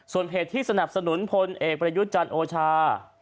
ส่วนเพจที่สนับสนุนพลเอกประยุทธ์จันทร์โอชา